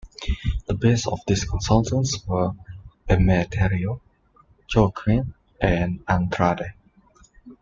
The best of these consultants were Emiterio, Joaquin, and Andrade.